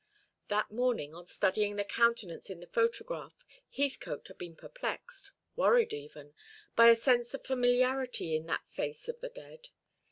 That morning, on studying the countenance in the photograph, Heathcote had been perplexed worried, even by a sense of familiarity in that face of the dead.